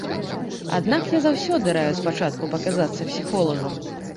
Аднак я заўсёды раю спачатку паказацца псіхолагам.